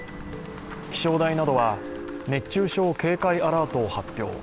気象台などは熱中症警戒アラートを発表。